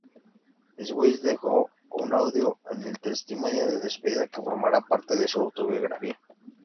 Swayze dejó en audio un testimonio de despedida que formará parte de su autobiografía.